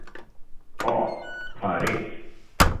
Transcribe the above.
Oh, pa res.